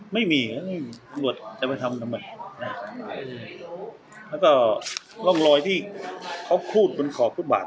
ไม่มีตำรวจจะไปทำทำไมแล้วก็ร่องรอยที่เขาพูดบนขอบฟุตบาท